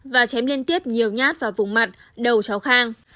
và chém liên tiếp nhiều nhát vào vùng mặt đầu cháu khang